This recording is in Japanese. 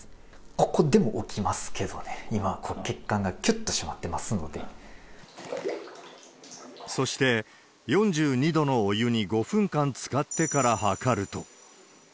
ここでも起きますけどね、今、そして、４２度のお湯に５分間つかってから測ると。